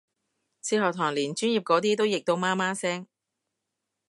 哲學堂連專業嗰啲都譯到媽媽聲